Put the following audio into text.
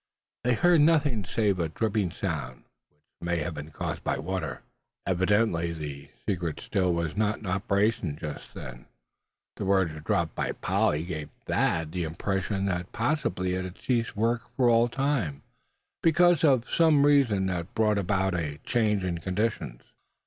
They heard nothing save a dripping sound, which might have been caused by water. Evidently the secret Still was not in operation just then; and words dropped by Polly gave Thad the impression that possibly it had ceased work for all time, because of some reason that brought about a change in the conditions.